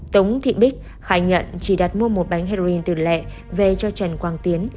tống thị bích khai nhận chỉ đặt mua một bánh heroin từ lệ về cho trần quang tiến